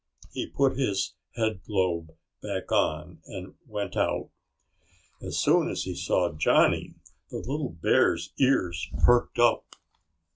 He put his headglobe back on and went out. As soon as he saw Johnny, the little bear's ears perked up.